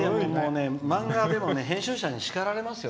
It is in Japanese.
漫画でも編集者に叱られますよ